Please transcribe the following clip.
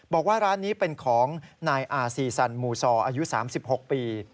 บอกว่าร้านนี้เป็นของนายอาซีซันมูซออายุ๓๖ปี